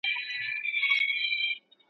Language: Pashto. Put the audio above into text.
ځینی تور دي ځینی خړ ځینی سپېره دي `